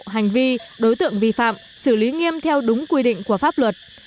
hành vi đối tượng vi phạm xử lý nghiêm theo đúng quy định của pháp luật